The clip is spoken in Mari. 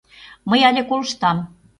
Мый але колыштам.